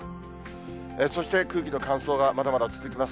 そして空気の乾燥がまだまだ続きます。